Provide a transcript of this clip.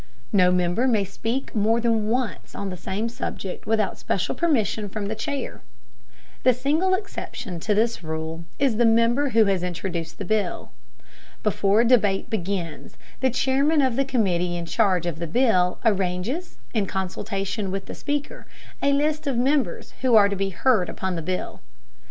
No member may speak more than once on the same subject without special permission from the chair. The single exception to this rule is the member who has introduced the bill. Before debate begins, the chairman of the committee in charge of the bill arranges, in consultation with the Speaker, a list of members who are to be heard upon the bill.